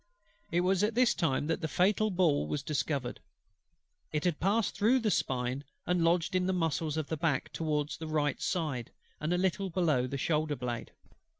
It was at this time that the fatal ball was discovered: it had passed through the spine, and lodged in the muscles of the back, towards the right side, and a little below the shoulder blade.